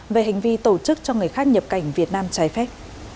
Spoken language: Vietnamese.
về hành vi tổ chức cho người khác nhập cảnh việt nam trái phép